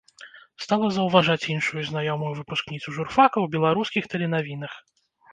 Стала заўважаць іншую знаёмую выпускніцу журфака ў беларускіх тэленавінах.